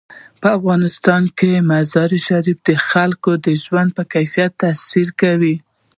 په افغانستان کې مزارشریف د خلکو د ژوند په کیفیت تاثیر کوي.